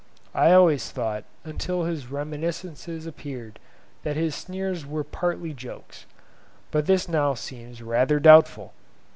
I always thought, until his 'Reminiscences' appeared, that his sneers were partly jokes, but this now seems rather doubtful.